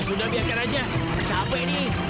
udah biarkan aja capek nih